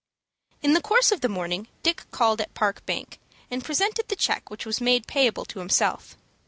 In the course of the morning Dick called at the Park Bank, and presented the check which was made payable to himself.